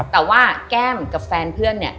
แต่ว่าแก้มกับแฟนเพื่อนเนี่ย